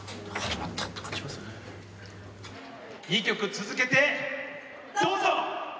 ２曲続けてどうぞ！